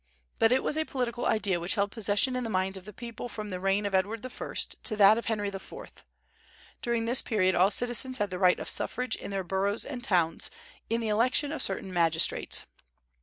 But it was a political idea which held possession of the minds of the people from the reign of Edward I. to that of Henry IV. During this period all citizens had the right of suffrage in their boroughs and towns, in the election of certain magistrates.